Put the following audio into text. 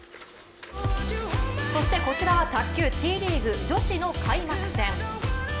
そしてこちらは卓球Ｔリーグ女子の開幕戦。